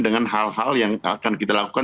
dengan hal hal yang akan kita lakukan